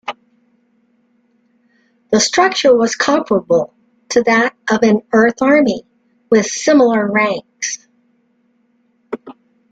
The structure was comparable to that of an Earth army, with similar ranks.